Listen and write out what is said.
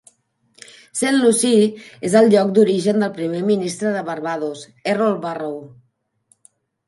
Saint Lucy és el lloc d'origen del primer Primer Ministre de Barbados, Errol Barrow.